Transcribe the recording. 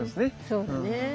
そうだね。